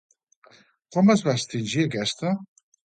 Com es va extingir aquesta?